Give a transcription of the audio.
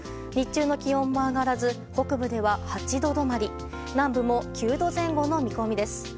日中の気温も上がらず北部では８度止まり南部も９度前後の見込みです。